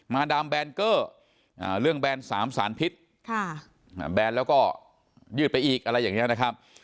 ดามแบนเกอร์เรื่องแบน๓สารพิษแบนแล้วก็ยืดไปอีกอะไรอย่างนี้นะครับ